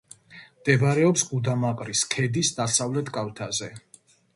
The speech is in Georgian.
მდებარეობს გუდამაყრის ქედის დასავლეთ კალთაზე.